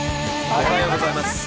おはようございます。